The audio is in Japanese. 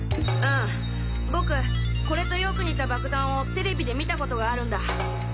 うん僕これとよく似た爆弾をテレビで見たことがあるんだ！